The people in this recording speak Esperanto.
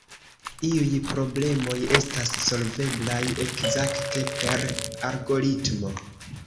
Iuj problemoj estas solveblaj ekzakte per algoritmo.